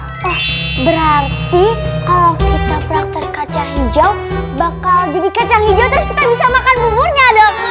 apa berarti kalau kita praktek kaca hijau bakal jadi kacang hijau terus kita bisa makan buburnya dong